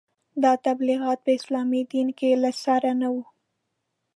دا تبلیغات په اسلامي دین کې له سره نه وو.